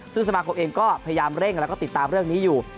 ซึ่งสมาคมเองก็พยายามเร่งแล้วก็ติดตามเรื่องนี้อยู่